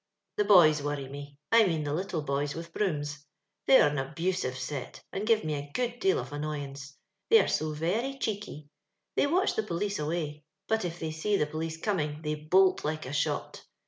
"The boys worry me. I meon the little boys with brooms; they are an abusive set, and give me a good deal of annoyance ; they ore so very cheeky; they watch the police away ; but if they see the police coming, they bolt like a shot.